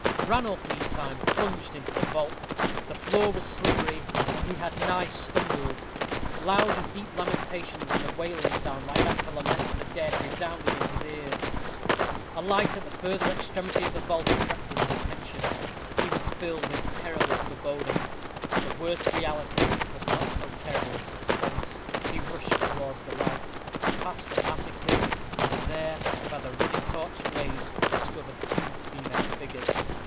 Ranulph, meantime, plunged into the vault. The floor was slippery, and he had nigh stumbled. Loud and deep lamentations, and a wailing sound, like that of a lament for the dead, resounded in his ears. A light at the further extremity of the vault attracted his attention. He was filled with terrible forebodings; but the worst reality was not so terrible as suspense. He rushed towards the light. He passed the massive pillars, and there, by the ruddy torch flame, discovered two female figures.